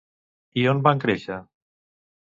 I on van créixer?